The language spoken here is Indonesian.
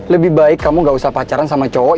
lebih baik kamu gak usah pacaran sama cowok